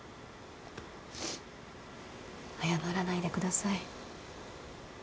謝らないでください。